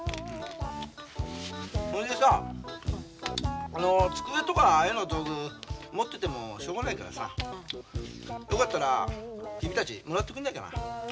それでさあの机とか絵の道具持っててもしょうがないからさよかったら君たちもらってくれないかな？